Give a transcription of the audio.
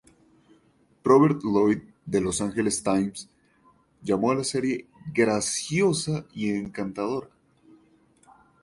Robert Lloyd de "Los Angeles Times" llamó a la serie "graciosa y encantadora".